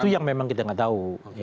itu yang memang kita gak tahu ya